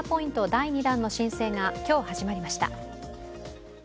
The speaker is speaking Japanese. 第２弾の申請が今日始まりました。